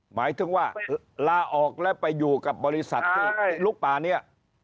หมายถึงว่าลาออกแล้วไปอยู่กับบริษัทที่ลุกป่านี้